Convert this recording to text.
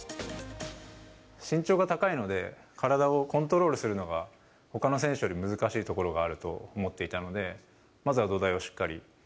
身長が高いので、体をコントロールするのがほかの選手より難しいところがあると思っていたのでまずは土台をしっかり。